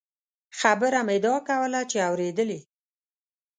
خبره مې دا کوله چې اورېدلې.